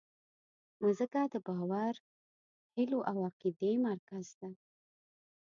مځکه د باور، هیلو او عقیدې مرکز ده.